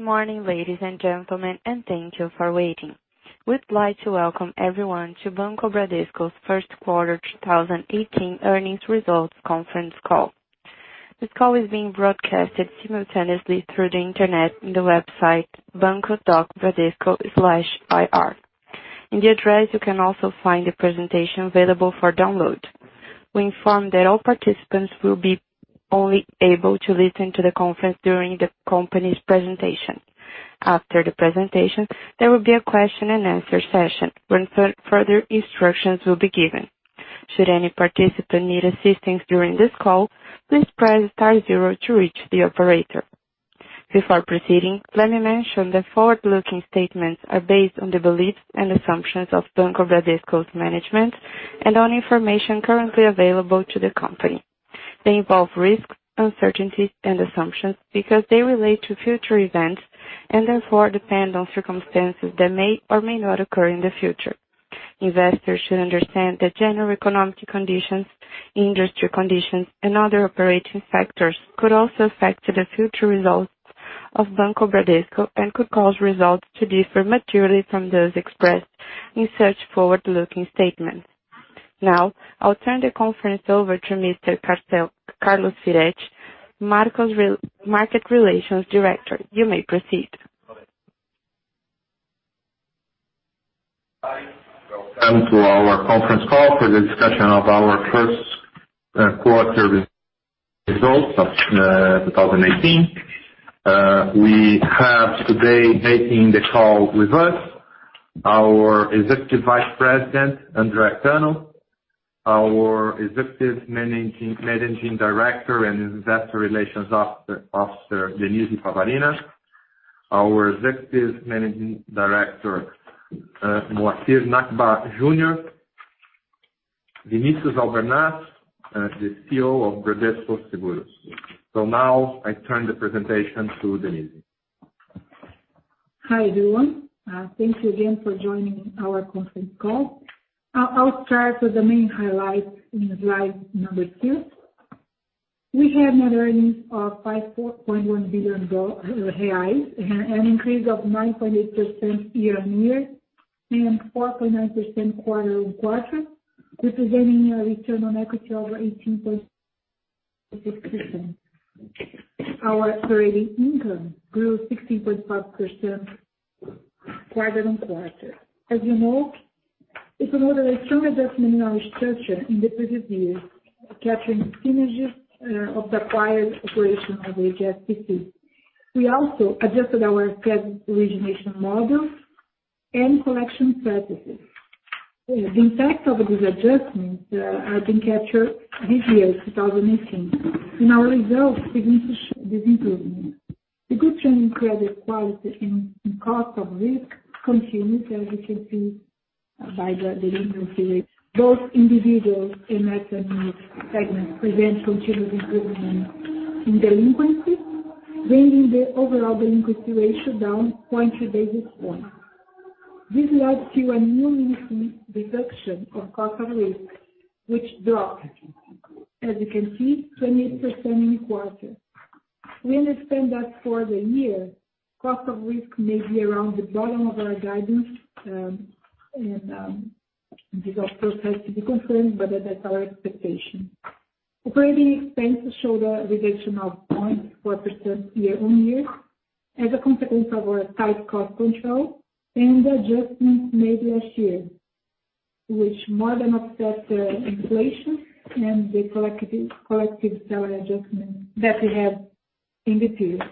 Good morning, ladies and gentlemen, and thank you for waiting. We'd like to welcome everyone to Banco Bradesco's first quarter 2018 earnings results conference call. This call is being broadcasted simultaneously through the Internet on the website banco.bradesco/ri. In the address, you can also find the presentation available for download. We inform that all participants will be only able to listen to the conference during the company's presentation. After the presentation, there will be a question and answer session when further instructions will be given. Should any participant need assistance during this call, please press star zero to reach the operator. Before proceeding, let me mention that forward-looking statements are based on the beliefs and assumptions of Banco Bradesco's management and on information currently available to the company. They involve risks, uncertainties, and assumptions because they relate to future events and therefore depend on circumstances that may or may not occur in the future. Investors should understand that general economic conditions, industry conditions, and other operating factors could also affect the future results of Banco Bradesco and could cause results to differ materially from those expressed in such forward-looking statements. I'll turn the conference over to Mr. Carlos Firetti, Market Relations Director. You may proceed. Hi. Welcome to our conference call for the discussion of our first quarter results of 2018. We have today making the call with us our Executive Vice President, Andre Carvalho, our Executive Managing Director and Investor Relations Officer, Denise Pavarina, our Executive Managing Director, Moacir Nachbar Jr., Vinicius Albernaz, the CEO of Bradesco Seguros. Now I turn the presentation to Denise. Hi, everyone. Thank you again for joining our conference call. I'll start with the main highlights in slide number two. We have net earnings of R$54.1 billion, an increase of 9.8% year-on-year and 4.9% quarter-on-quarter, representing a return on equity over 18%. Our operating income grew 16.4% quarter-on-quarter. As you know, it's an extensive adjustment in our structure in the previous years, capturing synergies of the acquired operation of HSBC. We also adjusted our credit origination models and collection practices. The impact of these adjustments are being captured this year, 2018. In our results, significant improvement. The good trend in credit quality and cost of risk continues, as you can see by the delinquency rate. Both individuals and SME segments present continued improvement in delinquencies, bringing the overall delinquency ratio down 20 basis points. This led to a new reduction of cost of risk, which dropped, as you can see, 20% in the quarter. We understand that for the year, cost of risk may be around the bottom of our guidance, and this of course, has to be confirmed, but that's our expectation. Operating expenses show the reduction of points quarter-on-year as a consequence of our tight cost control and adjustments made last year, which more than offset the inflation and the collective salary adjustment that we had in the period.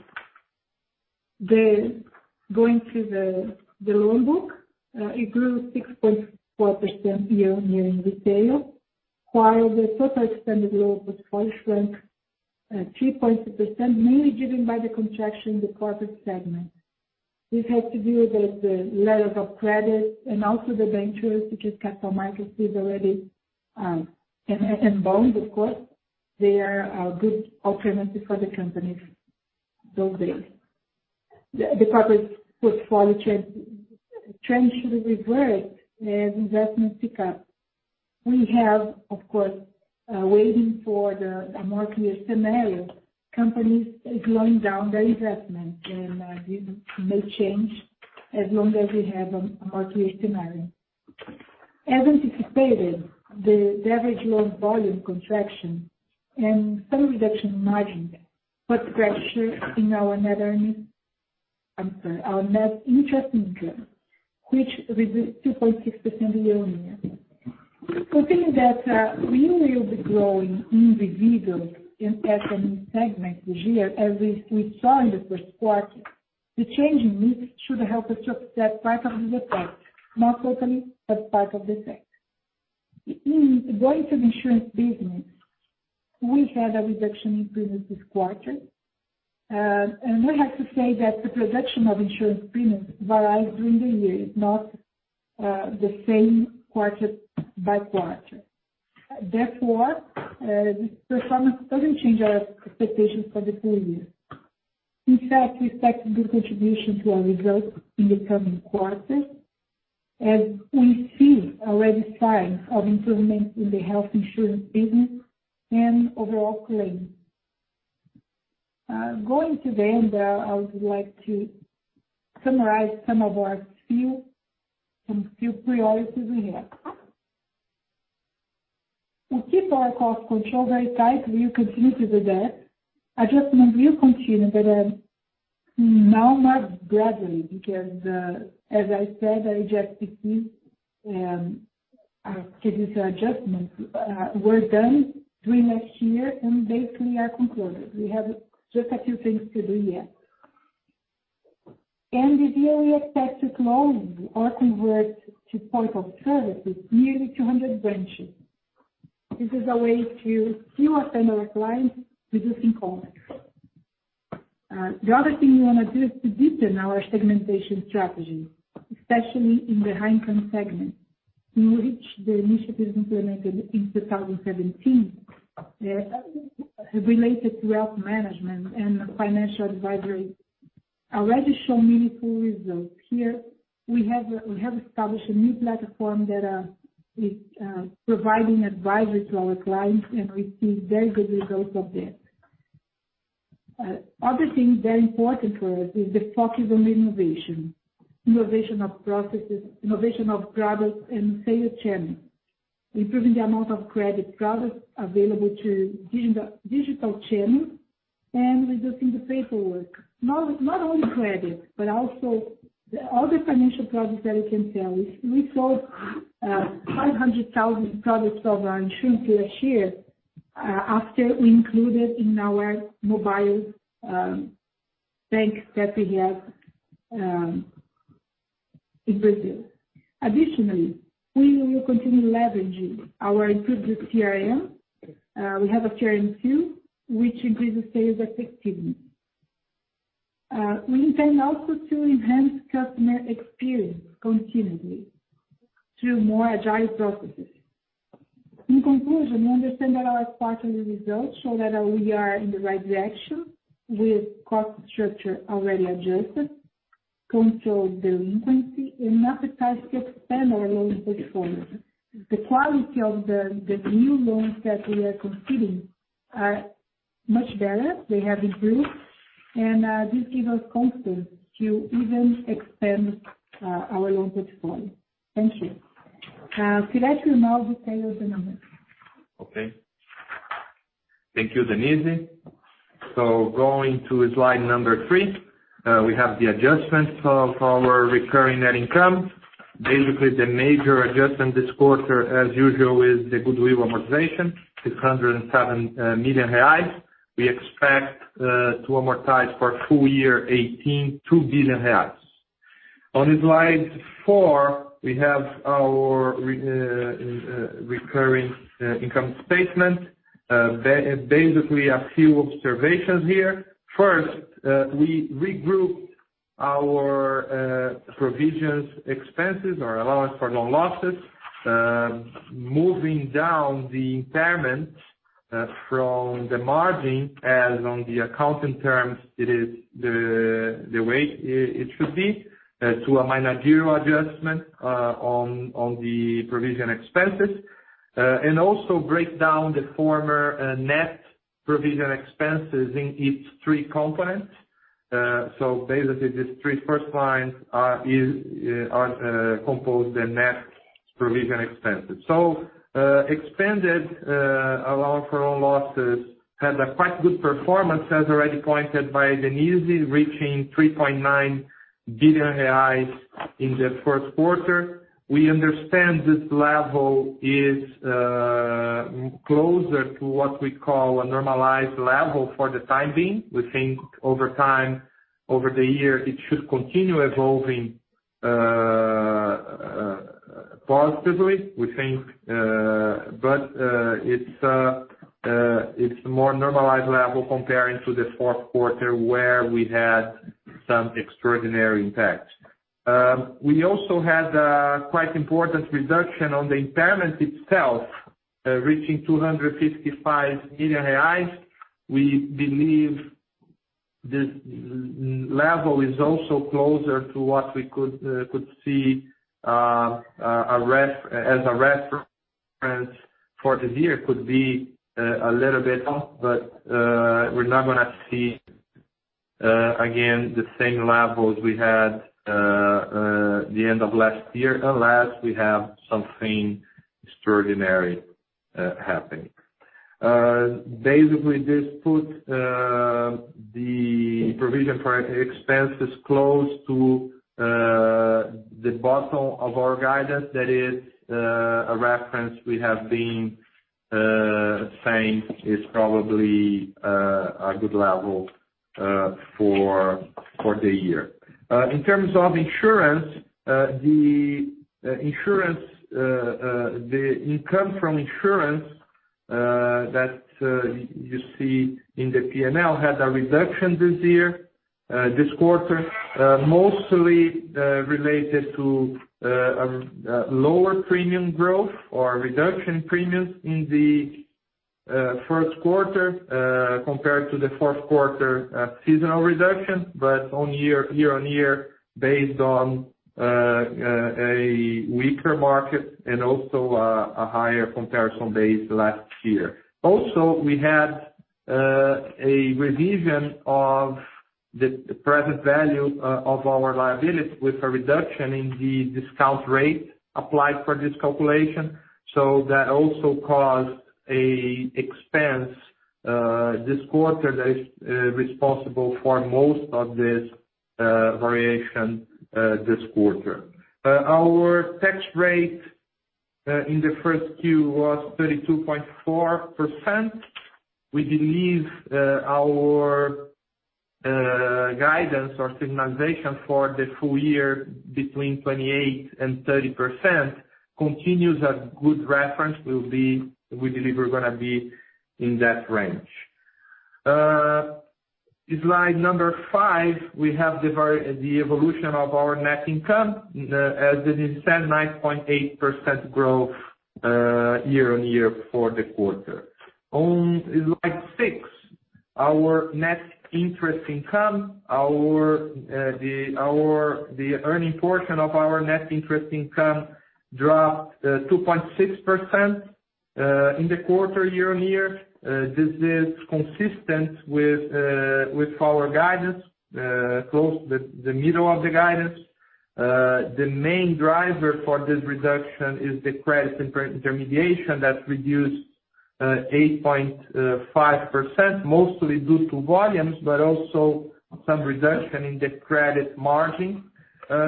Going to the loan book, it grew 6.4% year-on-year in retail, while the total extended loan portfolio shrank 3.2%, mainly driven by the contraction in the corporate segment. This has to do with the level of credit and also the debentures, because capital markets is already, and bonds, of course, they are good alternatives for the companies those days. The corporate portfolio trends should reverse as investments pick up. We are, of course, waiting for the more clear scenario. Companies are slowing down their investment, this may change as long as we have a more clear scenario. As anticipated, the average loan volume contraction and some reduction in margin put pressure in our net earnings. I'm sorry, our net interest income, which reduced 2.6% year-on-year. Considering that we will be growing in the retail and SME segment this year, as we saw in the first quarter, the change in mix should help us to offset part of this effect. Not totally, but part of the effect. Going to the insurance business, we had a reduction in premiums this quarter. We have to say that the reduction of insurance premiums varies during the year. It's not the same quarter-by-quarter. Therefore, this performance doesn't change our expectations for the full year. In fact, we expect a good contribution to our results in the coming quarters. As we see already signs of improvement in the health insurance business and overall claims. Going to the end there, I would like to summarize some of our few priorities we have. We keep our cost control very tightly. We'll continue to do that. Adjustment will continue, but now more gradually because, as I said, our business adjustments were done during last year and basically are concluded. We have just a few things to do here. This year we expect to close or convert to point of services nearly 200 branches. This is a way to see our standard clients reducing costs. The other thing we want to do is to deepen our segmentation strategy, especially in the high-income segment. To which the initiatives implemented in 2017 related to wealth management and financial advisory already show meaningful results here. We have established a new platform that is providing advisory to our clients, and we see very good results of this. Other things very important for us is the focus on innovation. Innovation of processes, innovation of products and sales channels. Improving the amount of credit products available through digital channels and reducing the paperwork. Not only credit, but also all the financial products that we can sell. We sold 500,000 products of our insurance last year after we included in our mobile bank that we have in Brazil. Additionally, we will continue leveraging our improved CRM. We have a CRM tool which increases sales effectively. We intend also to enhance customer experience continuously through more agile processes. In conclusion, we understand that our quarterly results show that we are in the right direction with cost structure already adjusted, controlled delinquency, and appetite to expand our loan portfolio. The quality of the new loans that we are conceding are much better. They have improved, and this gives us confidence to even expand our loan portfolio. Thank you. Carlos Firetti now will tell you the numbers. Okay. Thank you, Denise. Going to slide number three, we have the adjustments of our recurring net income. Basically, the major adjustment this quarter, as usual, is the goodwill amortization, 607 million reais. We expect to amortize for full year 2018, 2 billion reais. On slide four, we have our recurring income statement. A few observations here. First, we regrouped our provisions, expenses or allowance for loan losses, moving down the impairment from the margin as on the accounting terms it is the way it should be to a managerial adjustment on the provision expenses. Also break down the former net provision expenses in its three components. Basically, these three first lines are composed of net provision expenses. Expanded allowance for loan losses had a quite good performance as already pointed by Denise, reaching 3.9 billion reais in the first quarter. We understand this level is closer to what we call a normalized level for the time being. We think over time, over the year, it should continue evolving positively, we think. It's more normalized level comparing to the fourth quarter where we had some extraordinary impact. We also had a quite important reduction on the impairment itself, reaching 255 million reais. We believe this level is also closer to what we could see as a reference for the year. Could be a little bit up, but we're not going to see again the same levels we had the end of last year, unless we have something extraordinary happening. This put the provision for expenses close to the bottom of our guidance. That is a reference we have been saying is probably a good level for the year. In terms of insurance, the income from insurance that you see in the P&L had a reduction this quarter, mostly related to lower premium growth or reduction premiums in the First quarter compared to the fourth quarter, a seasonal reduction, but year-on-year, based on a weaker market and also a higher comparison base last year. Also, we had a revision of the present value of our liability with a reduction in the discount rate applied for this calculation. That also caused an expense this quarter that is responsible for most of this variation this quarter. Our tax rate in the first Q was 32.4%. We believe our guidance or signalization for the full year, between 28% and 30%, continues a good reference, we believe we're going to be in that range. Slide number five, we have the evolution of our net income. As I just said, 9.8% growth year-on-year for the quarter. On slide six, our net interest income, the earning portion of our net interest income dropped 2.6% in the quarter year-on-year. This is consistent with our guidance, close to the middle of the guidance. The main driver for this reduction is the credit intermediation that reduced 8.5%, mostly due to volumes, but also some reduction in the credit margin.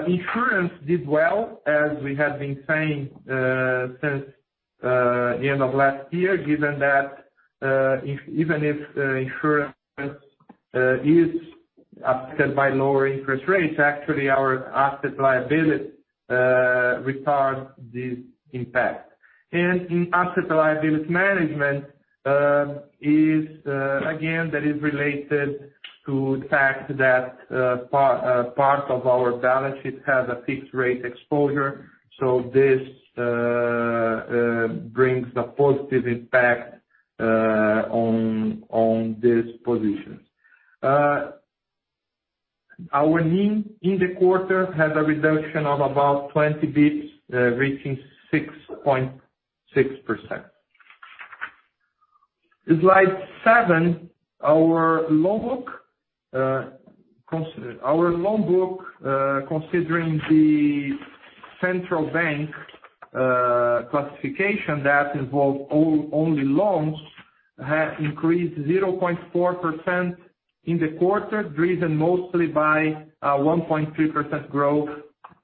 Insurance did well, as we have been saying since the end of last year, given that even if insurance is affected by lower interest rates, actually our asset liability retard this impact. In asset liability management, again, that is related to the fact that part of our balance sheet has a fixed rate exposure, so this brings a positive impact on these positions. Our NIM in the quarter has a reduction of about 20 basis points, reaching 6.6%. Slide seven. Our loan book, considering the central bank classification that involves only loans, has increased 0.4% in the quarter, driven mostly by a 1.3% growth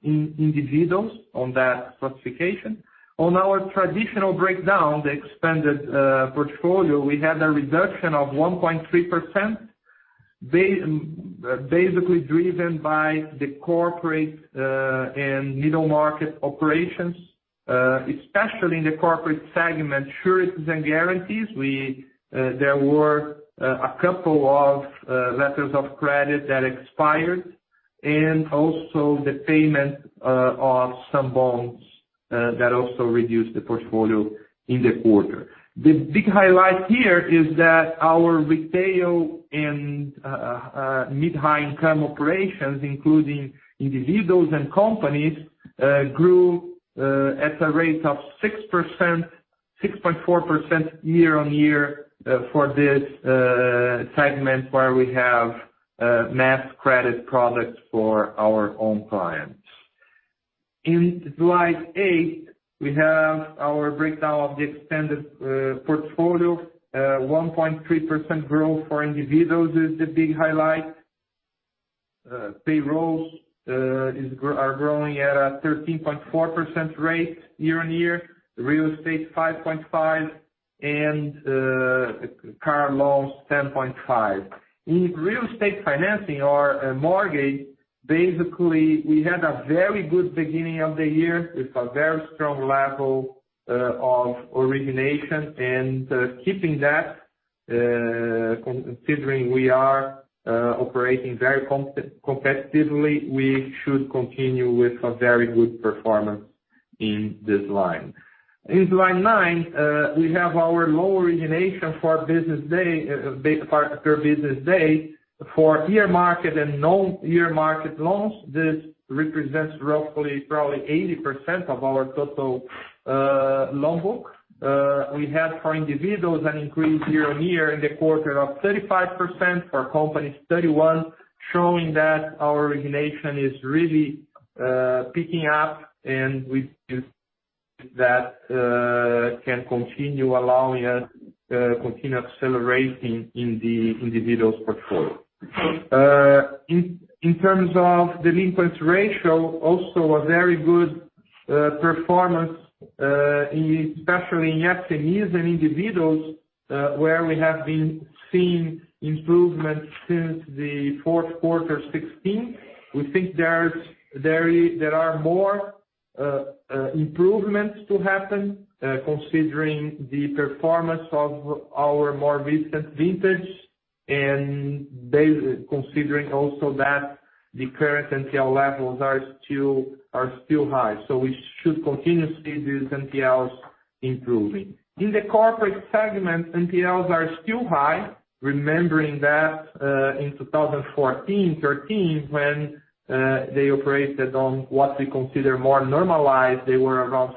in individuals on that classification. On our traditional breakdown, the expanded portfolio, we had a reduction of 1.3%, basically driven by the corporate and middle market operations, especially in the corporate segment, sureties and guarantees. There were a couple of letters of credit that expired, and also the payment of some bonds that also reduced the portfolio in the quarter. The big highlight here is that our retail and mid-high income operations, including individuals and companies, grew at a rate of 6.4% year-on-year for this segment, where we have mass credit products for our own clients. In slide eight, we have our breakdown of the expanded portfolio. 1.3% growth for individuals is the big highlight. Payrolls are growing at a 13.4% rate year-on-year, real estate 5.5%, and car loans 10.5%. In real estate financing or mortgage, basically, we had a very good beginning of the year with a very strong level of origination. Keeping that, considering we are operating very competitively, we should continue with a very good performance in this line. In slide nine, we have our loan origination per business day for earmarked and non-earmarked loans. This represents roughly, probably 80% of our total loan book. We had, for individuals, an increase year-on-year in the quarter of 35%, for companies, 31%, showing that our origination is really picking up, and we believe that can continue allowing us to continue accelerating in the individuals' portfolio. In terms of delinquency ratio, also a very good performance, especially in SMEs and individuals, where we have been seeing improvements since the fourth quarter 2016. We think there are more improvements to happen, considering the performance of our more recent vintage. Considering also that the current NPL levels are still high. We should continuously see these NPLs improving. In the corporate segment, NPLs are still high, remembering that in 2014, 2013, when they operated on what we consider more normalized, they were around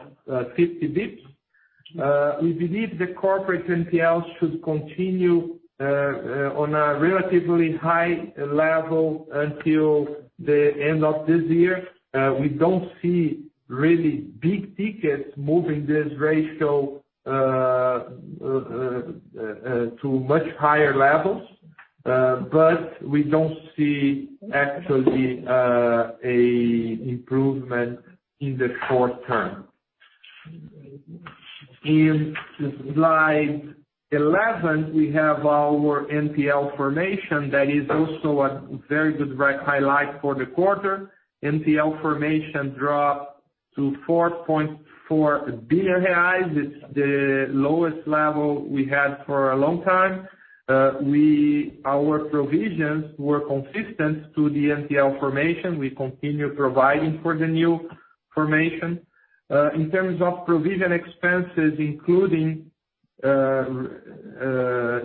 50 basis points. We believe the corporate NPL should continue on a relatively high level until the end of this year. We don't see really big tickets moving this ratio to much higher levels, but we don't see actually an improvement in the short term. In slide 11, we have our NPL formation that is also a very good highlight for the quarter. NPL formation dropped to 4.4 billion reais. It's the lowest level we had for a long time. Our provisions were consistent to the NPL formation. We continue providing for the new formation. In terms of provision expenses, including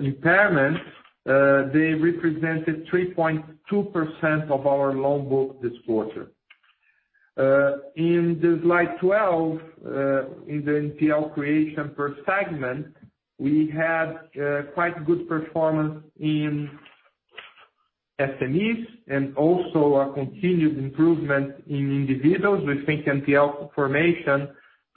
impairments, they represented 3.2% of our loan book this quarter. In slide 12, in the NPL creation per segment, we had quite good performance in SMEs and also a continued improvement in individuals. We think NPL formation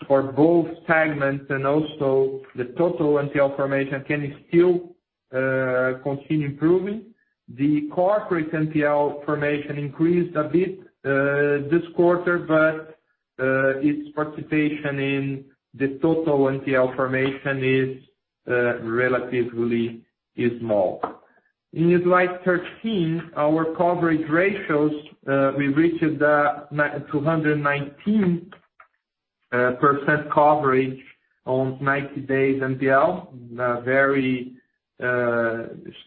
for both segments and also the total NPL formation can still continue improving. The corporate NPL formation increased a bit this quarter, but its participation in the total NPL formation is relatively small. In slide 13, our coverage ratios, we reached 219% coverage on 90-day NPL, a very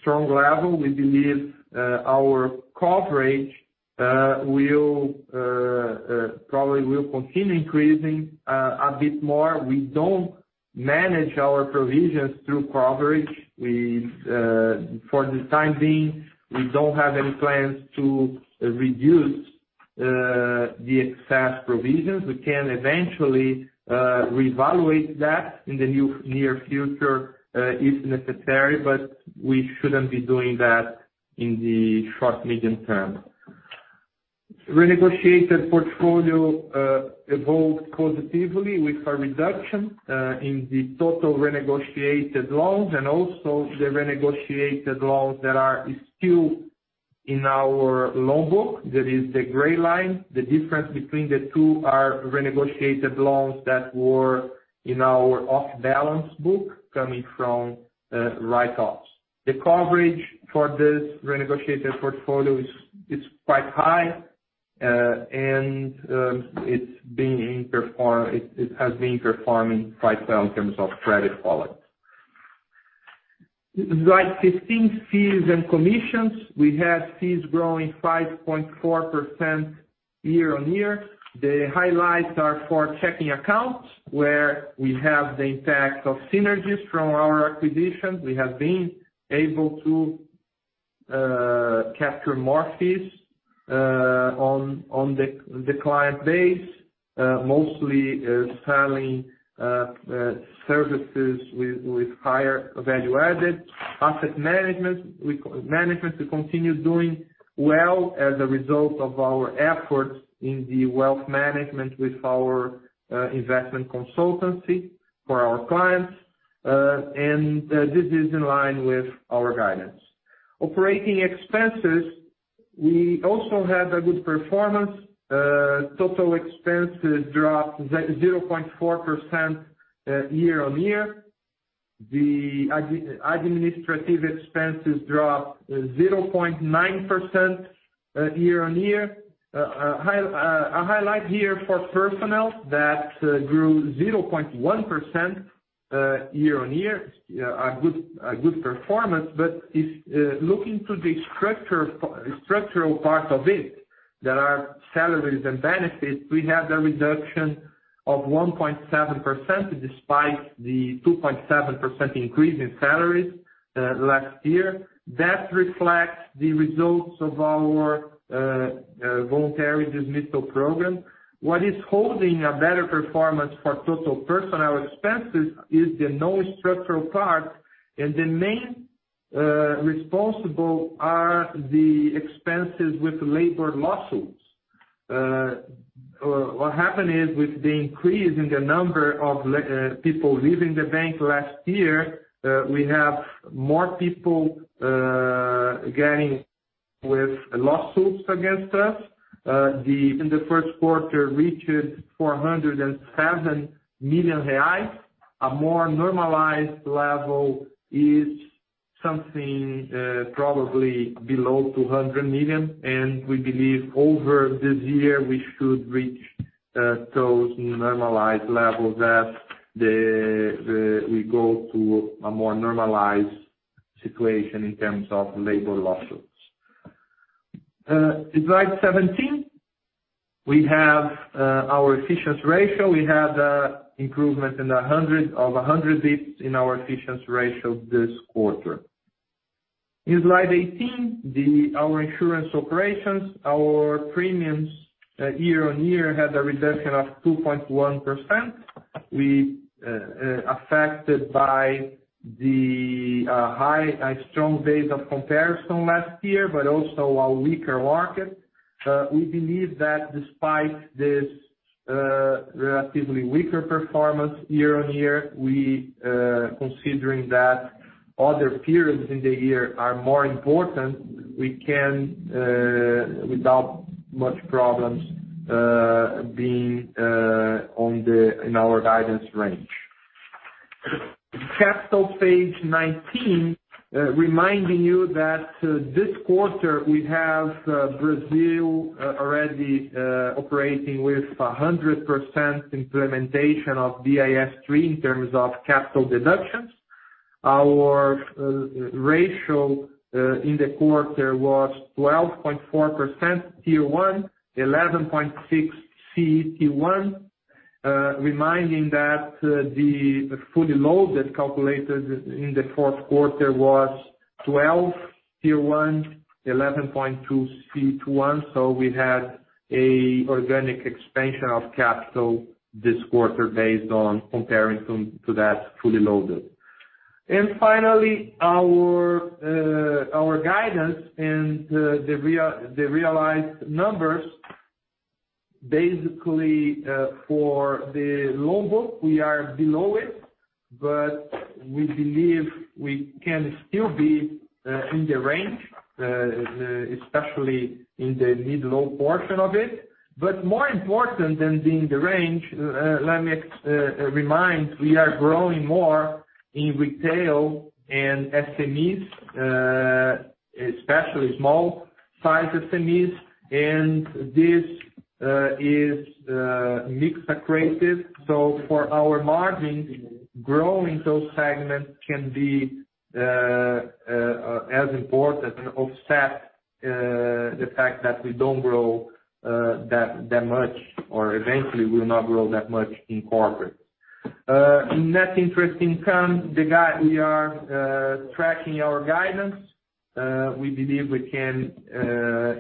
strong level. We believe our coverage probably will continue increasing a bit more. We don't manage our provisions through coverage. For the time being, we don't have any plans to reduce the excess provisions. We can eventually reevaluate that in the near future if necessary, but we shouldn't be doing that in the short-medium term. Renegotiated portfolio evolved positively with a reduction in the total renegotiated loans, and also the renegotiated loans that are still in our loan book. That is the gray line. The difference between the two are renegotiated loans that were in our off-balance book, coming from write-offs. The coverage for this renegotiated portfolio is quite high, and it has been performing quite well in terms of credit quality. Slide 15, fees and commissions. We have fees growing 5.4% year-on-year. The highlights are for checking accounts, where we have the impact of synergies from our acquisitions. We have been able to capture more fees on the client base, mostly selling services with higher value added. Asset management, we continue doing well as a result of our efforts in the wealth management with our investment consultancy for our clients. This is in line with our guidance. Operating expenses, we also had a good performance. Total expenses dropped 0.4% year-on-year. The administrative expenses dropped 0.9% year-on-year. A highlight here for personnel that grew 0.1% year-on-year, a good performance, but if looking to the structural part of it, there are salaries and benefits. We had a reduction of 1.7% despite the 2.7% increase in salaries last year. That reflects the results of our voluntary dismissal program. What is holding a better performance for total personnel expenses is the non-structural part, and the main responsible are the expenses with labor lawsuits. What happened is with the increase in the number of people leaving the bank last year, we have more people getting with lawsuits against us. In the first quarter, reached 407 million reais. A more normalized level is something probably below 200 million, and we believe over this year, we should reach those normalized levels that we go to a more normalized situation in terms of labor lawsuits. In slide 17, we have our efficiency ratio. We had improvement of 100 basis points in our efficiency ratio this quarter. In slide 18, our insurance operations, our premiums year-on-year had a reduction of 2.1%, affected by the high and strong base of comparison last year, but also our weaker market. We believe that despite this relatively weaker performance year-on-year, we, considering that other periods in the year are more important, we can, without much problems, be in our guidance range. Capital, page 19, reminding you that this quarter we have Brazil already operating with 100% implementation of Basel III in terms of capital deductions. Our ratio in the quarter was 12.4% Tier 1, 11.6 CET1, reminding that the fully loaded calculated in the fourth quarter was 12 Tier 1, 11.2 CET1, we had a organic expansion of capital this quarter based on comparing to that fully loaded. Finally, our guidance and the realized numbers, basically, for the loan book, we are below it, but we believe we can still be in the range, especially in the mid-low portion of it. More important than being the range, let me remind, we are growing more in retail and SMEs, especially small-sized SMEs, and this is mix accretive. For our margins, growing those segments can be as important and offset the fact that we don't grow that much, or eventually will not grow that much in corporate. Net interest income, we are tracking our guidance. We believe we can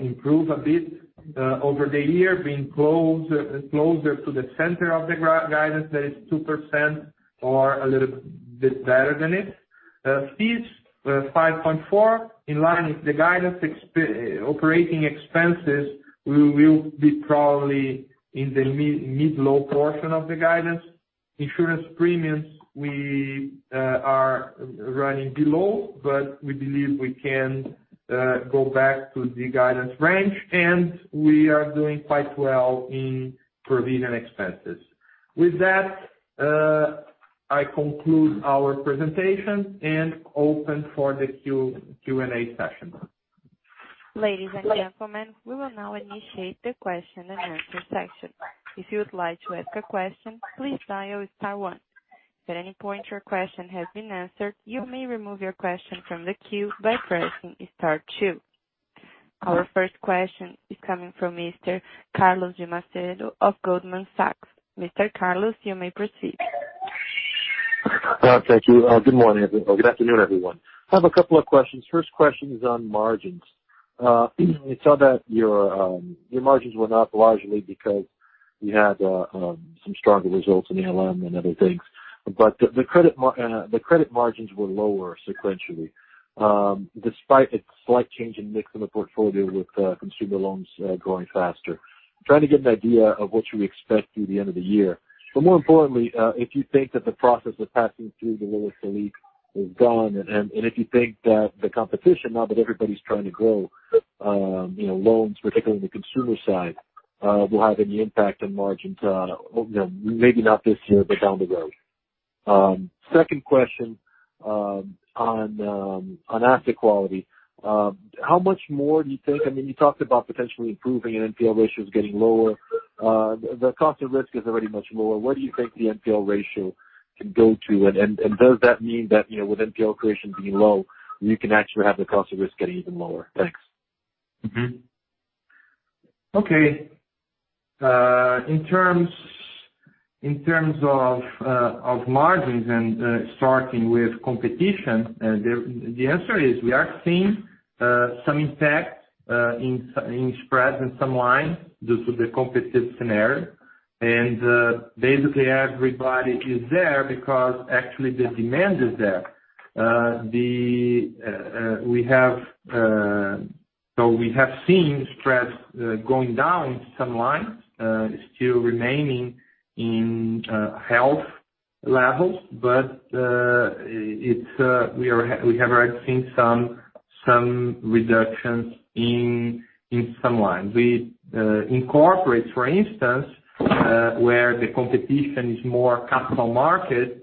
improve a bit over the year, being closer to the center of the guidance, that is 2% or a little bit better than it. Fees, 5.4%, in line with the guidance. Operating expenses, we will be probably in the mid-low portion of the guidance. Insurance premiums, we are running below, but we believe we can go back to the guidance range, and we are doing quite well in provision expenses. With that, I conclude our presentation and open for the Q&A session. Ladies and gentlemen, we will now initiate the question and answer session. If you would like to ask a question, please dial star 1. If at any point your question has been answered, you may remove your question from the queue by pressing star 2. Our first question is coming from Mr. Carlos de Macedo of Goldman Sachs. Mr. Carlos, you may proceed. Thank you. Good morning, everyone. Good afternoon, everyone. I have a couple of questions. First question is on margins. We saw that your margins were up largely because you had some stronger results in ALM and other things. The credit margins were lower sequentially, despite a slight change in mix in the portfolio with consumer loans growing faster. I'm trying to get an idea of what you expect through the end of the year. More importantly, if you think that the process of passing through the lowest SELIC is done and if you think that the competition, now that everybody's trying to grow loans, particularly the consumer side, will have any impact on margins, maybe not this year, but down the road. Second question on asset quality. How much more do you think, I mean, you talked about potentially improving and NPL ratios getting lower. The cost of risk is already much lower. Where do you think the NPL ratio can go to, and does that mean that, with NPL creation being low, you can actually have the cost of risk getting even lower? Thanks. Okay. In terms of margins and starting with competition, the answer is we are seeing some impact in spread in some lines due to the competitive scenario. Basically everybody is there because actually the demand is there. We have seen spreads going down in some lines, still remaining in health levels, but we have already seen some reductions in some lines. In corporate, for instance, where the competition is more capital market.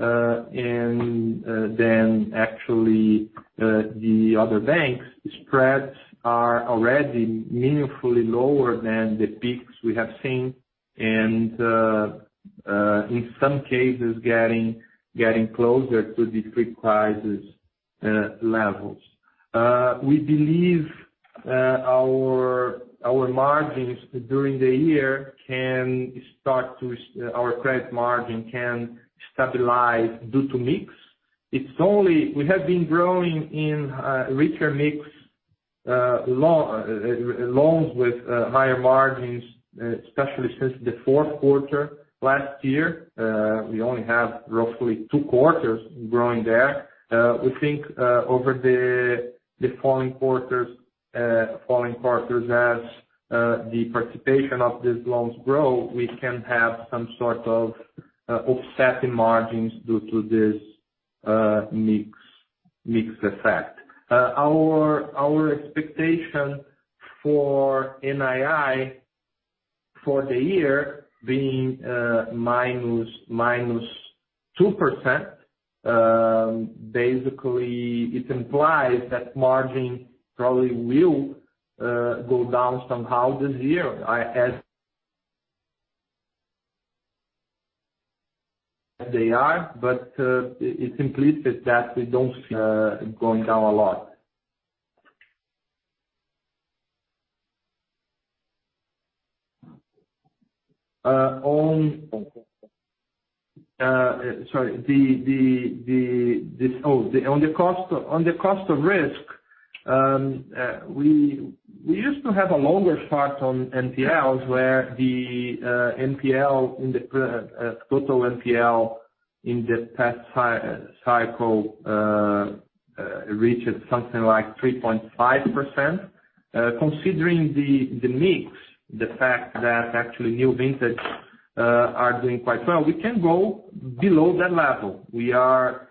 Actually, the other banks spreads are already meaningfully lower than the peaks we have seen, and in some cases, getting closer to the pre-crisis levels. We believe our margins during the year, our credit margin can stabilize due to mix. We have been growing in a richer mix loans with higher margins, especially since the fourth quarter last year. We only have roughly two quarters growing there. We think over the following quarters as the participation of these loans grow, we can have some sort of offsetting margins due to this mix effect. Our expectation for NII for the year being minus 2%, basically it implies that margin probably will go down somehow this year as they are, but it's implicit that we don't see going down a lot. On the cost of risk, we used to have a longer spot on NPLs where the total NPL in the past cycle, reached something like 3.5%. Considering the mix, the fact that actually new vintage are doing quite well, we can go below that level. We are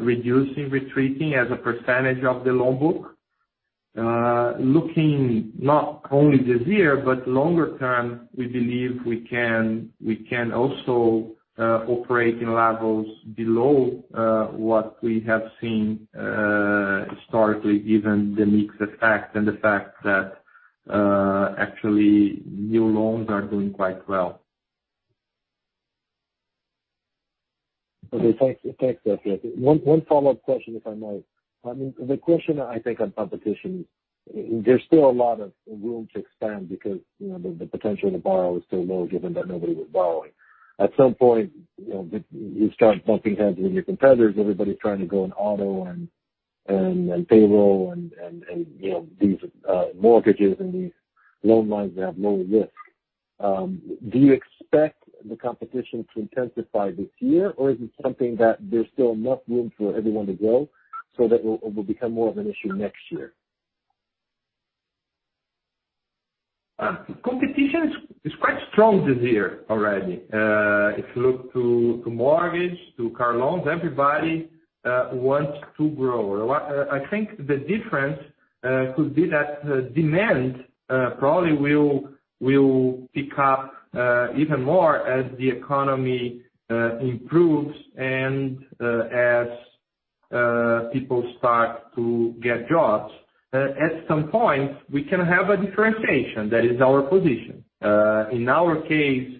reducing, retreating as a percentage of the loan book. Looking not only this year but longer term, we believe we can also operate in levels below what we have seen historically, given the mix effect and the fact that actually new loans are doing quite well. Okay. Thanks, Firetti. One follow-up question, if I may. The question I think on competition, there's still a lot of room to expand because the potential in the borrower is still low, given that nobody was borrowing. At some point, you start bumping heads with your competitors. Everybody's trying to go in auto and payroll and these mortgages and these loan lines that have lower risk. Do you expect the competition to intensify this year, or is it something that there's still enough room for everyone to grow so that it will become more of an issue next year? Competition is quite strong this year already. If you look to mortgage, to car loans, everybody wants to grow. I think the difference could be that demand probably will pick up even more as the economy improves and as people start to get jobs. At some point, we can have a differentiation that is our position. In our case,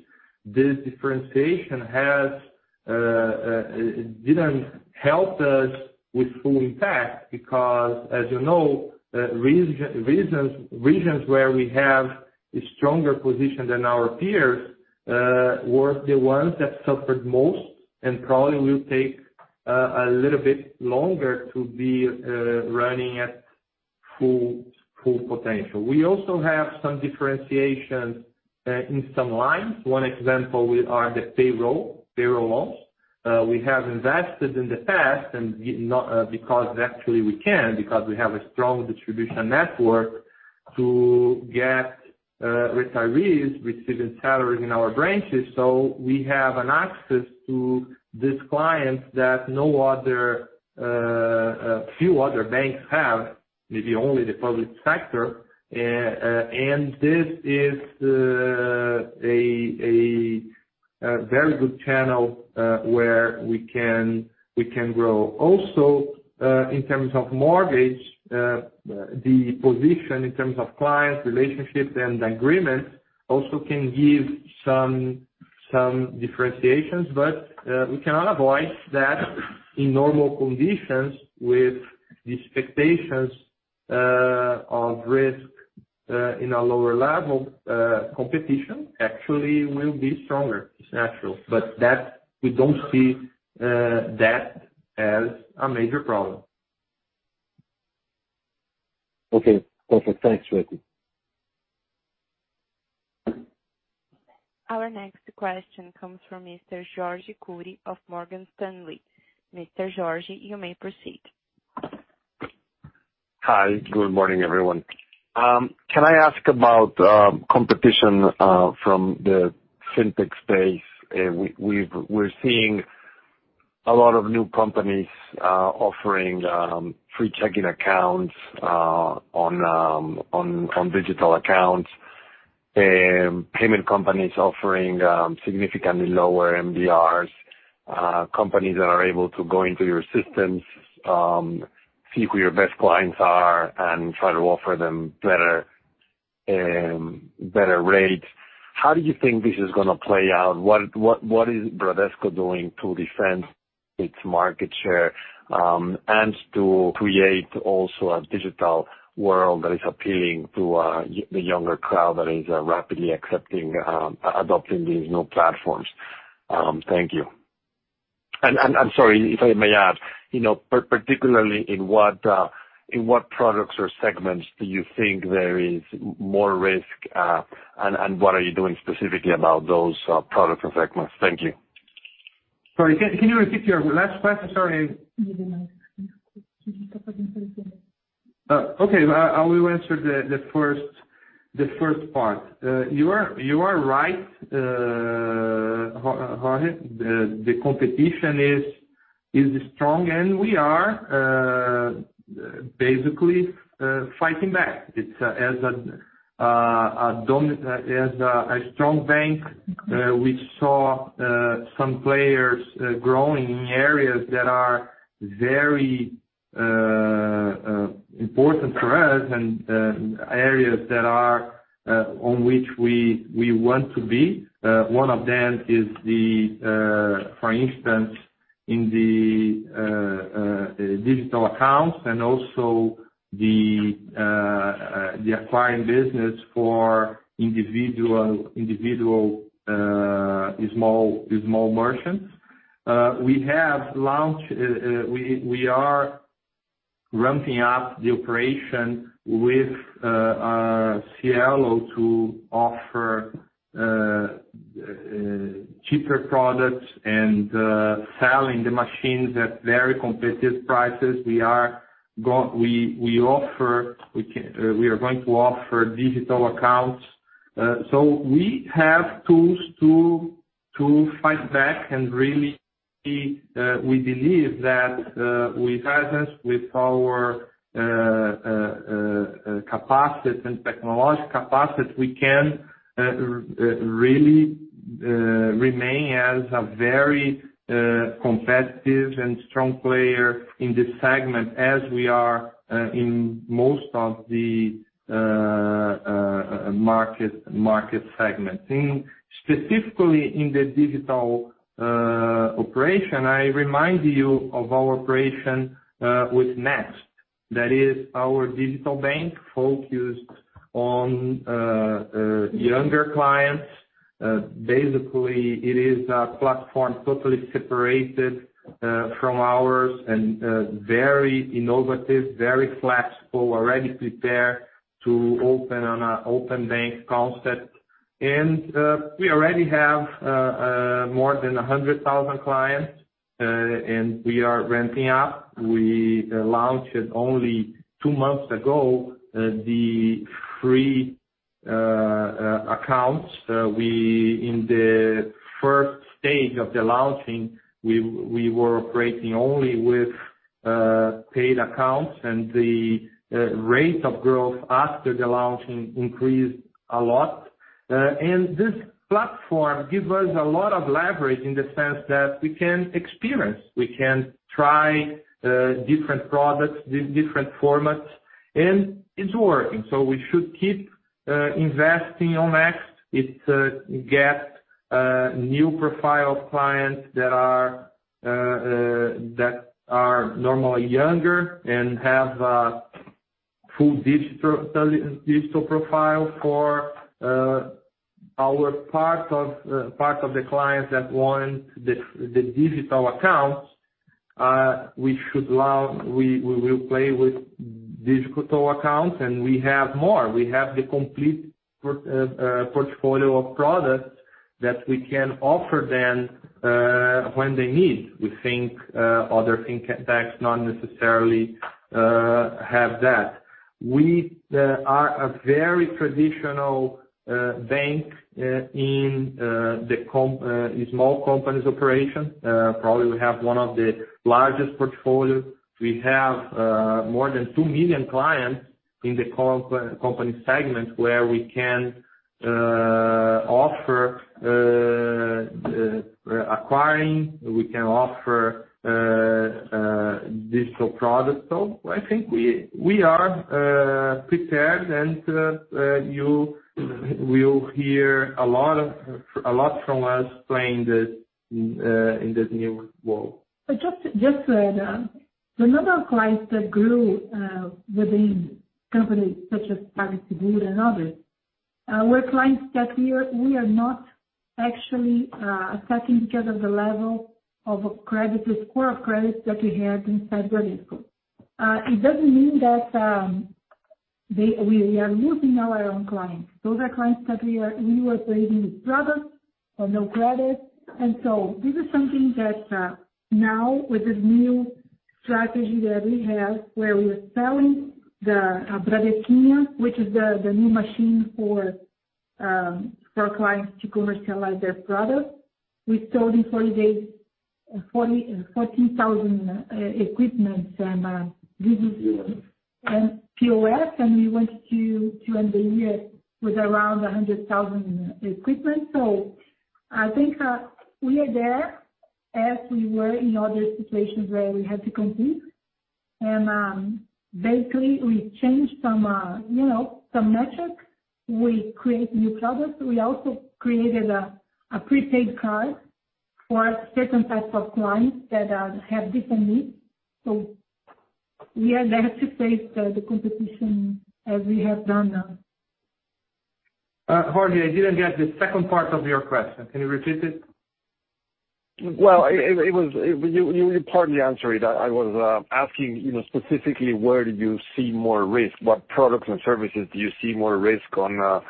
this differentiation didn't help us with full impact because as you know, regions where we have a stronger position than our peers, were the ones that suffered most and probably will take a little bit longer to be running at full potential. We also have some differentiation in some lines. One example are the payroll loans. We have invested in the past and because actually we can, because we have a strong distribution network to get retirees receiving salaries in our branches. We have an access to these clients that few other banks have, maybe only the public sector. This is a very good channel, where we can grow. Also, in terms of mortgage, the position in terms of clients, relationships, and agreements also can give some differentiations. We cannot avoid that in normal conditions with the expectations of risk in a lower level, competition actually will be stronger. It's natural, we don't see that as a major problem. Okay, perfect. Thanks, Firetti. Our next question comes from Mr. Jorge Kuri of Morgan Stanley. Mr. Jorge, you may proceed. Hi, good morning, everyone. Can I ask about competition from the fintech space? We are seeing a lot of new companies are offering free checking accounts on digital accounts, and payment companies offering significantly lower MDRs, companies that are able to go into your systems, see who your best clients are, and try to offer them better rates. How do you think this is going to play out? What is Bradesco doing to defend its market share, and to create also a digital world that is appealing to the younger crowd that is rapidly adopting these new platforms? Thank you. I am sorry, if I may add, particularly, in what products or segments do you think there is more risk? And what are you doing specifically about those products or segments? Thank you. Sorry. Can you repeat your last question? Sorry. Okay. I will answer the first part. You are right, Jorge Kuri. The competition is strong, we are basically fighting back. As a strong bank, we saw some players growing in areas that are very important for us and areas on which we want to be. One of them is, for instance, in the digital accounts and also the acquiring business for individual small merchants. We are ramping up the operation with Cielo to offer cheaper products and selling the machines at very competitive prices. We are going to offer digital accounts. We have tools to fight back and really, we believe that with access, with our capacity and technological capacity, we can really remain as a very competitive and strong player in this segment as we are in most of the market segments. Specifically, in the digital operation, I remind you of our operation with Next. That is our digital bank focused on younger clients. Basically, it is a platform totally separated from ours and very innovative, very flexible, already prepared to open on an open bank concept. We already have more than 100,000 clients, we are ramping up. We launched it only two months ago, the free accounts. In the first stage of the launching, we were operating only with paid accounts, the rate of growth after the launching increased a lot. This platform gives us a lot of leverage in the sense that we can experience, we can try different products, different formats, and it is working. We should keep investing on Next. It gets new profile of clients that are normally younger and have a full digital profile for our part of the clients that want the digital accounts. We will play with digital accounts, and we have more. We have the complete portfolio of products that we can offer them when they need. We think other fintechs not necessarily have that. We are a very traditional bank in small companies operation. Probably, we have one of the largest portfolios. We have more than 2 million clients in the company segment, where we can offer acquiring, we can offer digital products. I think we are prepared, and you will hear a lot from us playing in this new world. Just to add, the number of clients that grew within companies such as PagSeguro and others, were clients that we are not actually accepting because of the level of credit, the score of credits that we had inside Bradesco. It doesn't mean that we are losing our own clients. Those are clients that we were trading with products or no credit. This is something that now with this new strategy that we have, where we are selling the Bradesinha, which is the new machine for clients to commercialize their product. We sold in 40 days, 14,000 equipment and this is POS, and we want to end the year with around 100,000 equipment. I think we are there as we were in other situations where we had to compete. Basically, we changed some metrics. We create new products. We also created a prepaid card for certain types of clients that have different needs. We are there to face the competition as we have done now. Jorge, I didn't get the second part of your question. Can you repeat it? Well, you partly answered it. I was asking, specifically where did you see more risk? What products and services do you see more risk on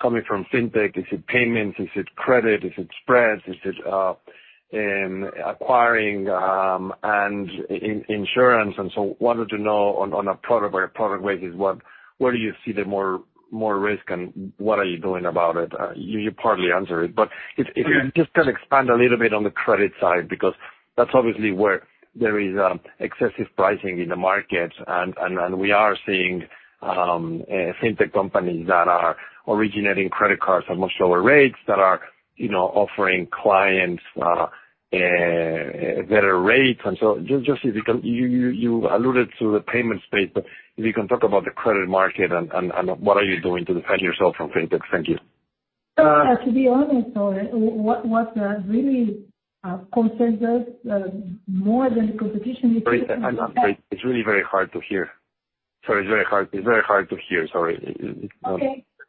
coming from fintech? Is it payments? Is it credit? Is it spreads? Is it in acquiring and insurance and so on? Wanted to know on a product basis, where do you see the more risk and what are you doing about it? You partly answered it, but if you just can expand a little bit on the credit side, because that's obviously where there is excessive pricing in the market, and we are seeing fintech companies that are originating credit cards at much lower rates that are offering clients better rates. Just if you can, you alluded to the payment space, but if you can talk about the credit market and what are you doing to defend yourself from fintechs. Thank you. To be honest, Jorge, what really concerns us more than the competition is It's really very hard to hear. Sorry.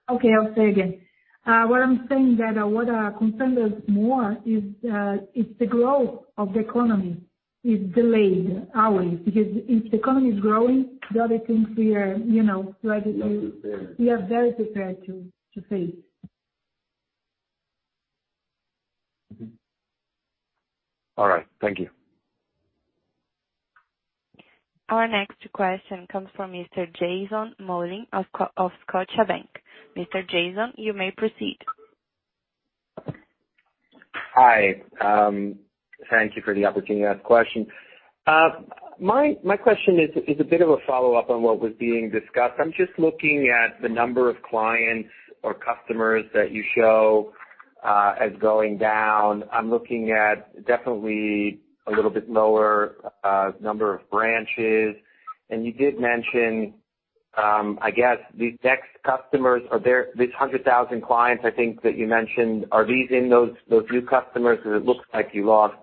Okay. I'll say again. What I'm saying that what concerns us more is the growth of the economy is delayed always because if the economy is growing, the other things we are ready to We are prepared. We are very prepared to face. All right. Thank you. Our next question comes from Mr. Jason Mollin of Scotiabank. Mr. Jason, you may proceed. Hi. Thank you for the opportunity to ask questions. My question is a bit of a follow-up on what was being discussed. I'm just looking at the number of clients or customers that you show as going down. I'm looking at definitely a little bit lower number of branches. You did mention, I guess these Next customers are there, these 100,000 clients I think that you mentioned. Are these in those new customers? It looks like you lost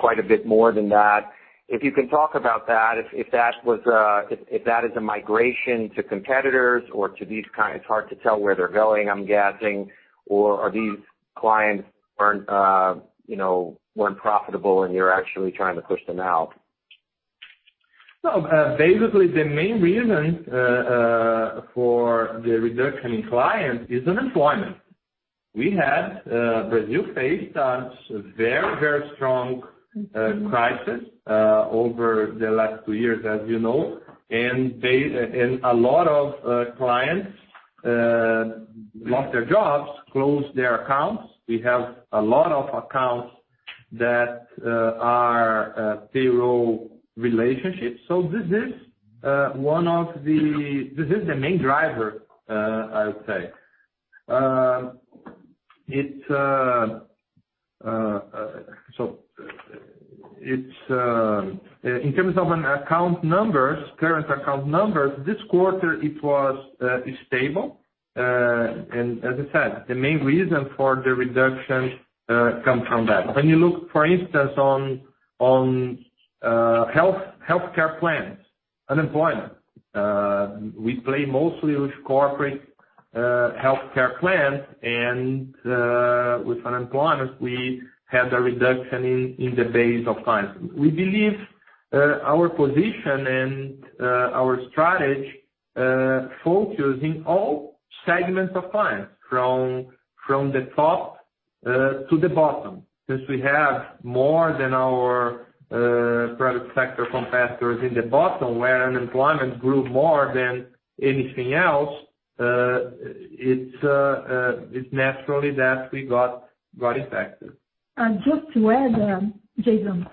quite a bit more than that. If you can talk about that, if that is a migration to competitors or to these kind, it's hard to tell where they're going, I'm guessing. Are these clients weren't profitable and you're actually trying to push them out? Basically the main reason for the reduction in clients is unemployment. Brazil faced a very strong crisis over the last two years, as you know. A lot of clients lost their jobs, closed their accounts. We have a lot of accounts that are payroll relationships. This is the main driver, I would say. In terms of an account numbers, current account numbers, this quarter it was stable. As I said, the main reason for the reduction comes from that. When you look, for instance, on healthcare plans, unemployment. We play mostly with corporate healthcare plans and, with unemployment, we had a reduction in the base of clients. We believe our position and our strategy, focusing all segments of clients from the top to the bottom. Since we have more than our private sector competitors in the bottom where unemployment grew more than anything else, it's naturally that we got affected. Just to add, Jason.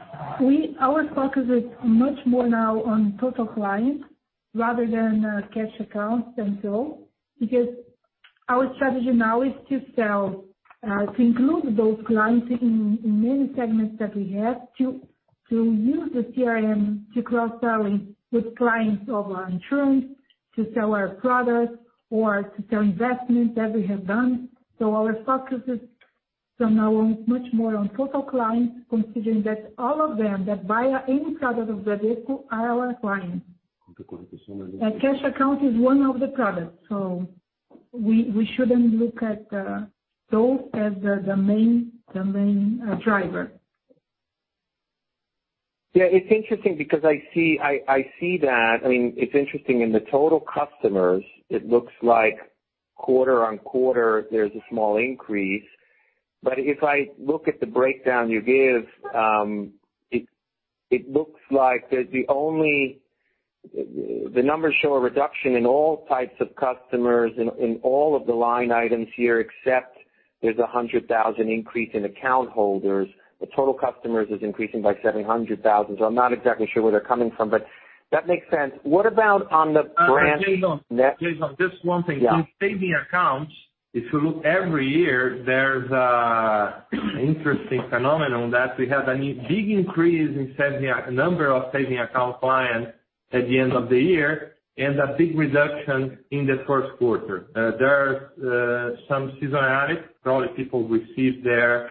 Our focus is much more now on total clients rather than cash accounts than so, because our strategy now is to include those clients in many segments that we have to use the CRM to cross-selling with clients over insurance to sell our products or to sell investments that we have done. Our focus is now much more on total clients, considering that all of them that buy any product of Bradesco are our clients. The competition A cash account is one of the products, we shouldn't look at those as the main driver. Yeah, it's interesting because I see. It's interesting in the total customers, it looks like quarter-on-quarter, there's a small increase. If I look at the breakdown you give, it looks like that the only numbers show a reduction in all types of customers in all of the line items here, except there's 100,000 increase in account holders. The total customers is increasing by 700,000. I'm not exactly sure where they're coming from, but that makes sense. What about on the branch Jason, just one thing. Yeah. In savings accounts, if you look every year, there's an interesting phenomenon that we have a big increase in the number of savings account clients at the end of the year and a big reduction in the first quarter. There are some seasonality. Probably people receive their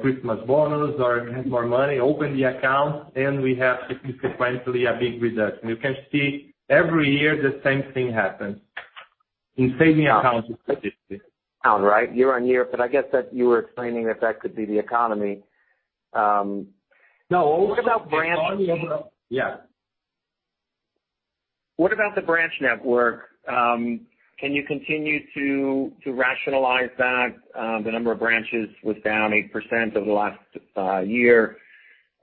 Christmas bonus or have more money, open the account, and we have sequentially a big reduction. You can see every year the same thing happens in savings accounts statistics. All right. Year-over-year, I guess that you were explaining that could be the economy. No. What about branch? Yes. What about the branch network? Can you continue to rationalize that? The number of branches was down 8% over the last year,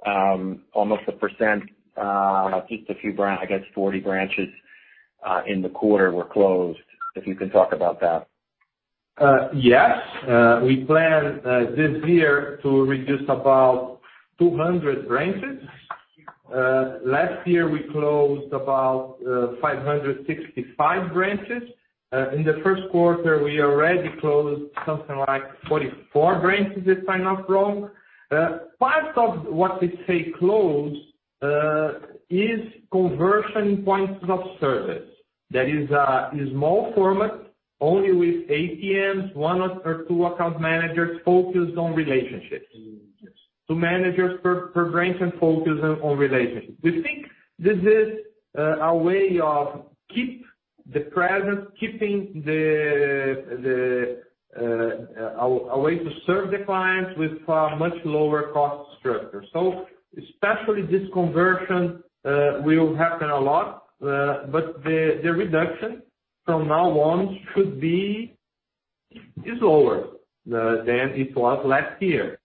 almost 1%, just a few, I guess 40 branches in the quarter were closed, if you can talk about that. Yes. We plan this year to reduce about 200 branches. Last year, we closed about 565 branches. In the first quarter, we already closed something like 44 branches, if I'm not wrong. Part of what we say closed is conversion points of service. That is a small format, only with ATMs, one or two account managers focused on relationships. Two managers per branch and focus on relationships. We think this is a way to serve the clients with a much lower cost structure. Especially this conversion will happen a lot, but the reduction from now on is lower than it was last year.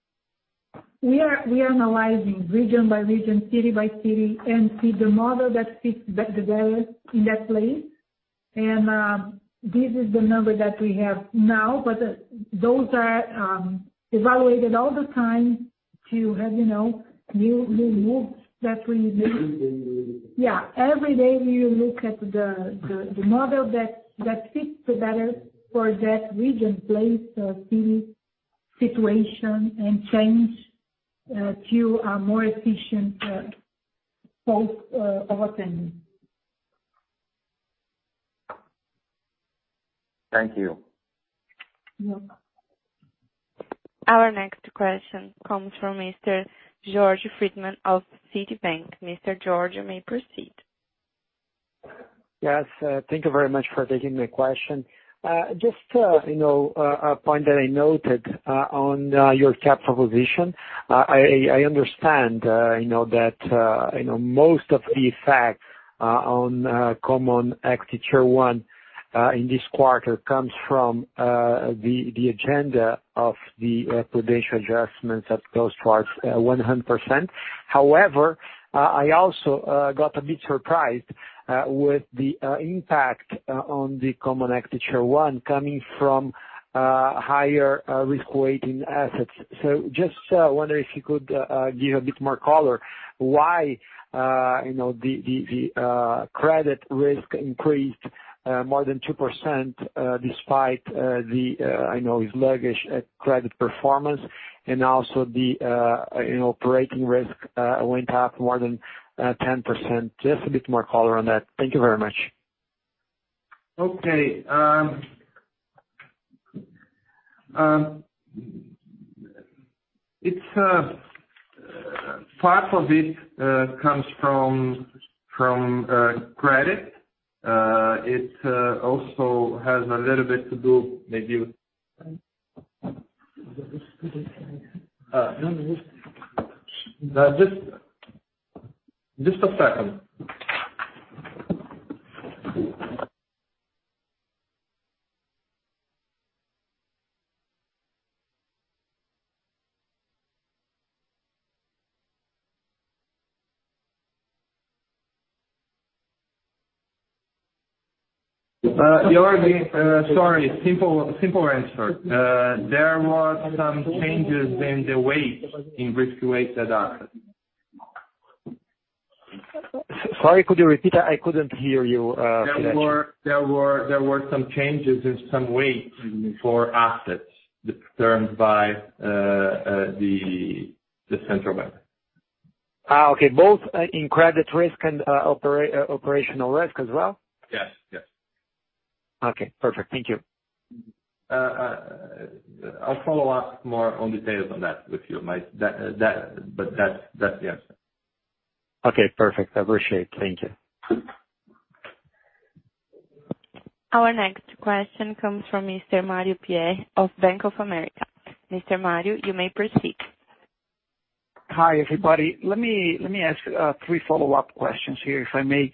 We are analyzing region by region, city by city, and see the model that fits the best in that place. This is the number that we have now, but those are evaluated all the time to have new looks that we make. Every day we look at. Yeah, every day we look at the model that fits the better for that region, place, city situation, and change to a more efficient opening. Thank you. You're welcome. Our next question comes from Mr. Jorg Friedemann of Citibank. Mr. George, you may proceed. Yes. Thank you very much for taking the question. Just a point that I noted on your capital position. I understand that most of the effect on Common Equity Tier 1 in this quarter comes from the agenda of the prudential adjustments that goes towards 100%. However, I also got a bit surprised with the impact on the Common Equity Tier 1 coming from higher risk-weighted assets. Just wondering if you could give a bit more color why the credit risk increased more than 2% despite the, I know it's sluggish, credit performance and also the operating risk went up more than 10%. Just a bit more color on that. Thank you very much. Okay. Part of it comes from credit. It also has a little bit to do maybe with Just a second. Jorg, sorry, simple answer. There was some changes in the weight, in risk-weighted assets. Sorry, could you repeat that? I couldn't hear you, Firetti. There were some changes in some weight for assets determined by the central bank. Okay. Both in credit risk and operational risk as well? Yes. Okay, perfect. Thank you. I'll follow up more on details on that with you, but that's the answer. Okay, perfect. I appreciate it. Thank you. Our next question comes from Mr. Mario Pierry of Bank of America. Mr. Mario, you may proceed. Hi, everybody. Let me ask three follow-up questions here if I may.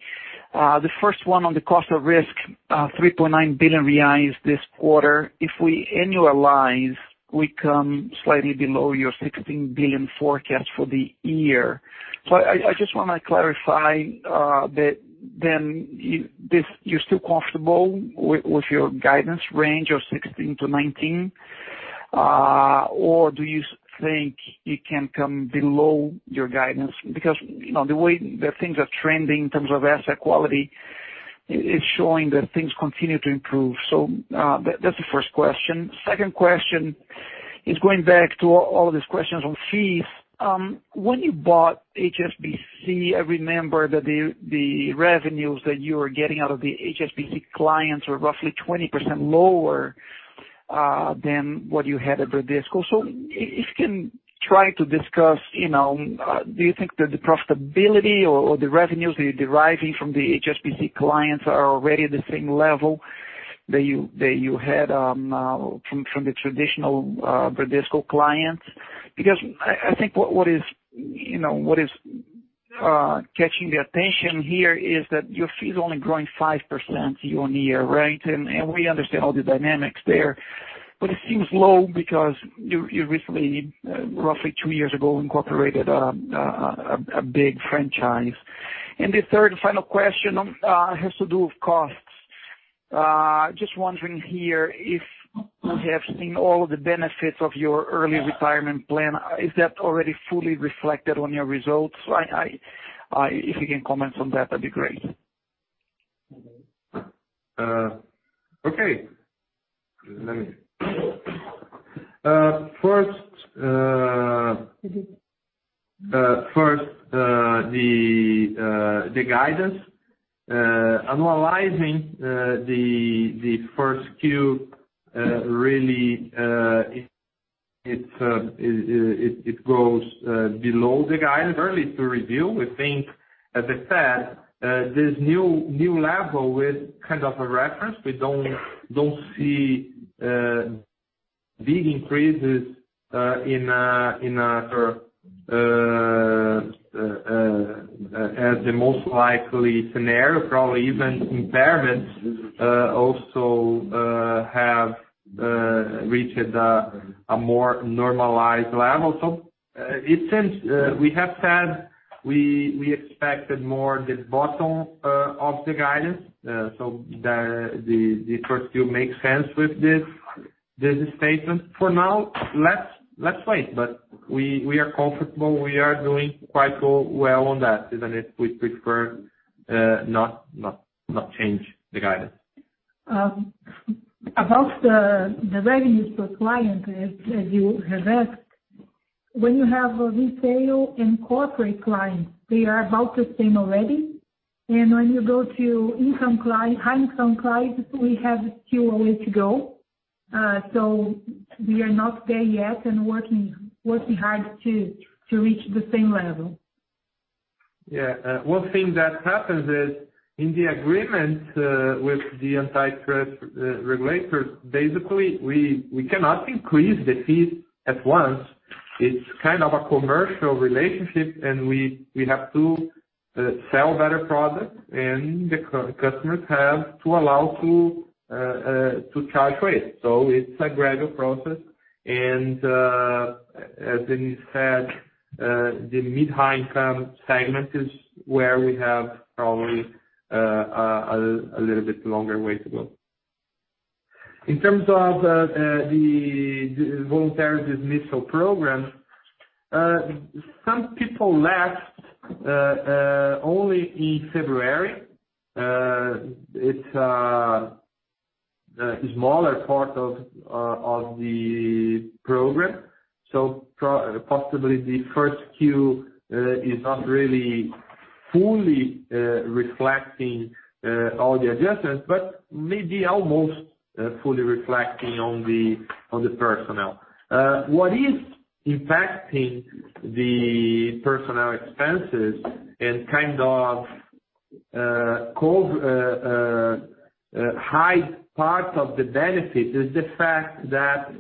The first one on the cost of risk, 3.9 billion reais this quarter. If we annualize, we come slightly below your 16 billion forecast for the year. I just want to clarify that. Are you still comfortable with your guidance range of 16 billion-19 billion? Or do you think it can come below your guidance? Because the way that things are trending in terms of asset quality, it's showing that things continue to improve. That's the first question. Second question is going back to all of these questions on fees. When you bought HSBC, I remember that the revenues that you were getting out of the HSBC clients were roughly 20% lower than what you had at Bradesco. If you can try to discuss, do you think that the profitability or the revenues that you're deriving from the HSBC clients are already at the same level that you had from the traditional Bradesco clients? Because I think what is catching the attention here is that your fee is only growing 5% year-on-year, right? We understand all the dynamics there, but it seems low because you recently, roughly 2 years ago, incorporated a big franchise. The third and final question has to do with costs. Just wondering here if we have seen all of the benefits of your early retirement plan. Is that already fully reflected on your results? If you can comment on that'd be great. Okay. First, the guidance. Analyzing the first Q, really, it goes below the guidance, early to review. We think, as I said, this new level is kind of a reference. We don't see big increases as the most likely scenario. Probably even impairments also have reached a more normalized level. It seems we have said we expected more the bottom of the guidance, so the first Q makes sense with this statement. For now, let's wait, but we are comfortable. We are doing quite well on that, even if we prefer not change the guidance. About the revenues per client, as you have asked, when you have a retail and corporate client, they are about the same already. When you go to high-income clients, we have a few ways to go. We are not there yet and working hard to reach the same level. Yeah. One thing that happens is in the agreement with the antitrust regulators, basically, we cannot increase the fees at once. It's kind of a commercial relationship, and we have to sell better products, and the customers have to allow to charge rates. It's a gradual process. As Denise said, the mid-high income segment is where we have probably a little bit longer way to go. In terms of the voluntary dismissal program, some people left only in February. It's a smaller part of the program. Possibly the first quarter is not really fully reflecting all the adjustments, but maybe almost fully reflecting on the personnel. What is impacting the personnel expenses and kind of hide parts of the benefit is the fact that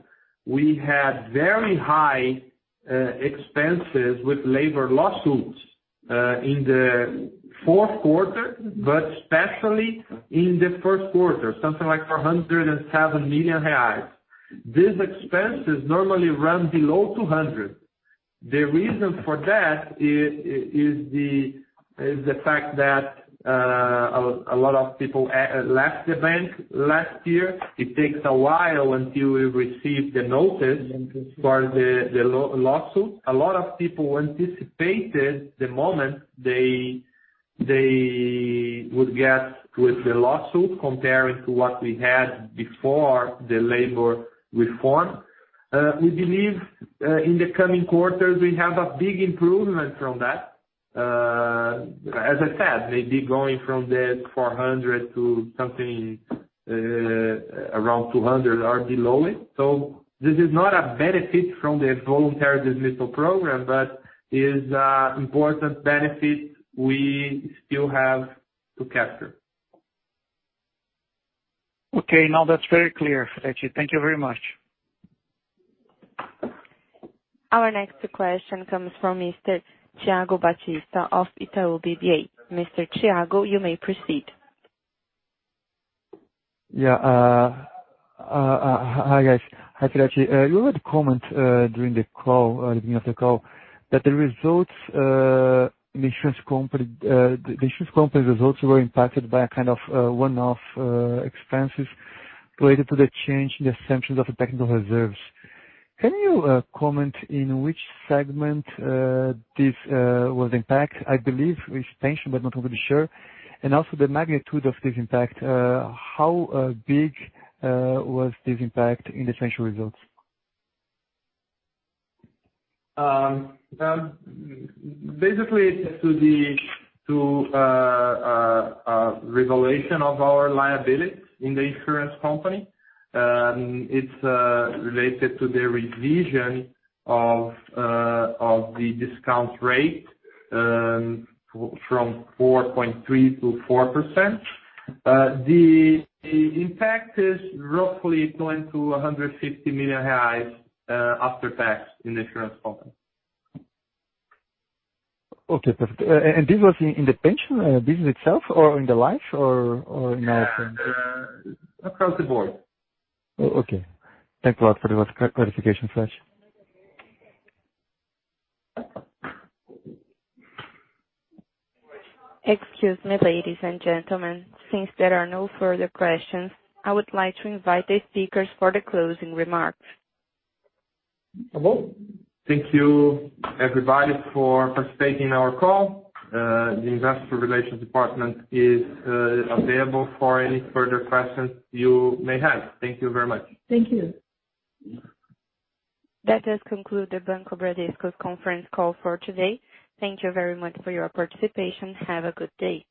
we had very high expenses with labor lawsuits in the fourth quarter, but especially in the first quarter, something like 407 million reais. These expenses normally run below 200 million. The reason for that is the fact that a lot of people left the bank last year. It takes a while until we receive the notice for the lawsuit. A lot of people anticipated the moment they would get with the lawsuit compared to what we had before the labor reform. We believe, in the coming quarters, we have a big improvement from that. As I said, maybe going from 400 million to something around 200 million or below it. This is not a benefit from the voluntary dismissal program, but is important benefit we still have to capture. Now that's very clear, Firetti. Thank you very much. Our next question comes from Mr. Thiago Batista of Itaú BBA. Mr. Thiago, you may proceed. Yeah. Hi, guys. Hi, Carlos Firetti. You had a comment during the call, at the beginning of the call, that the insurance company results were impacted by a kind of one-off expenses related to the change in the assumptions of the technical reserves. Can you comment in which segment this was impacted? I believe it's pension, but not totally sure. Also the magnitude of this impact, how big was this impact in the central results? Basically, it's related to revaluation of our liability in the insurance company. It's related to the revision of the discount rate from 4.3%-4%. The impact is roughly 20 million-150 million after tax in the insurance company. Okay, perfect. This was in the pension business itself or in the life or in other things? Across the board. Okay. Thanks a lot for the clarification, Carlos Firetti. Excuse me, ladies and gentlemen. Since there are no further questions, I would like to invite the speakers for the closing remarks. Thank you, everybody, for participating in our call. The investor relations department is available for any further questions you may have. Thank you very much. Thank you. That does conclude the Banco Bradesco's conference call for today. Thank you very much for your participation. Have a good day.